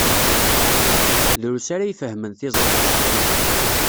Drus ara ifehmen tiẓra-s.